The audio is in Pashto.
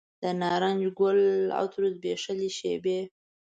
د نارنج ګل عطرو زبیښلې شیبې